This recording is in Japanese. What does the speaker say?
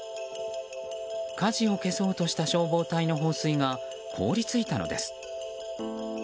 火事を消そうとした消防隊の放水が凍りついたのです。